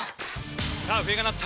さあ笛が鳴った。